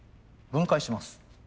分解します。